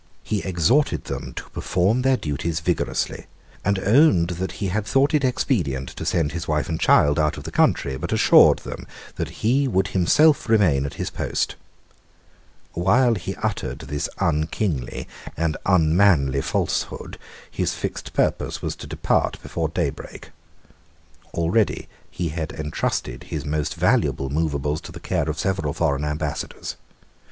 He exhorted them to perform their duties vigorously, and owned that he had thought it expedient to send his wife and child out of the country, but assured them that he would himself remain at his post. While he uttered this unkingly and unmanly falsehood, his fixed purpose was to depart before daybreak. Already he had entrusted his most valuable moveables to the care of several foreign Ambassadors.